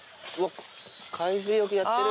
海水浴やってる。